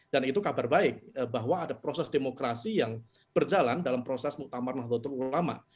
dan itu kabar baik bahwa ada proses demokrasi yang berjalan dalam proses muktamar mahdlatul ulama